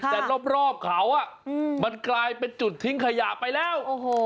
แต่รอบเขามันกลายเป็นจุดทิ้งขยะไปแล้ว